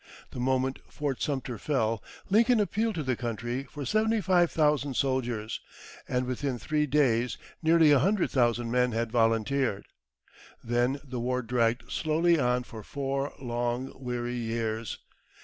The moment Fort Sumter fell, Lincoln appealed to the country for seventy five thousand soldiers, and within three days nearly a hundred thousand men had volunteered. Then the war dragged slowly on for four long, weary years.